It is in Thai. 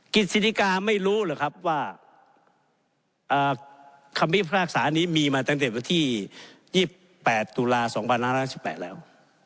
กิจศิริกาไม่รู้หรือครับว่าคำพิพากษานี้มีมาตั้งแต่วันที่๒๘ตุลา๒๕๑๘แล้ว